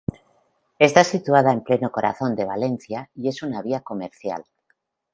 Está situada en pleno corazón de Valencia y es una vía comercial.